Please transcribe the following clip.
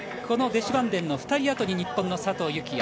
このデシュバンデンの２人後に日本の佐藤幸椰